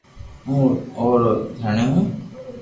ھون اورو دھڻي ھين